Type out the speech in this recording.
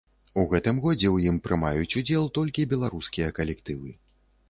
У гэтым годзе ў ім прымаюць удзел толькі беларускія калектывы.